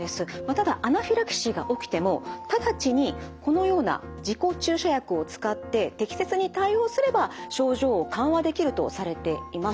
ただアナフィラキシーが起きても直ちにこのような自己注射薬を使って適切に対応すれば症状を緩和できるとされています。